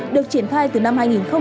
được triển khai từ năm hai nghìn một mươi